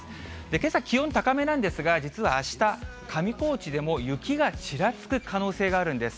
けさ、気温高めなんですが、実はあした、上高地でも雪がちらつく可能性があるんです。